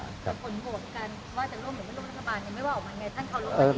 ผลปวดกันว่าจะร่วมหรือไม่ร่วมรัฐบาลเห็นไหมว่าออกมาไงท่านเขาร่วมหรือไม่ร่วม